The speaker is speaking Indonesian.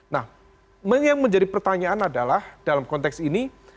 nah yang menjadi pertanyaan adalah dalam konteks ini